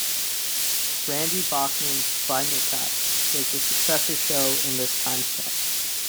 Randy Bachman's "Vinyl Tap" was the successor show in this timeslot.